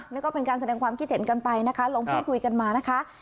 แล้วก็เป็นการแสดงความคิดเห็นกันไปนะคะลองพูดคุยกันมานะคะ